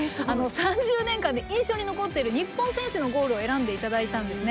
３０年間で印象に残っている日本選手のゴールを選んで頂いたんですね。